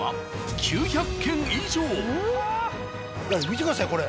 見てくださいこれ。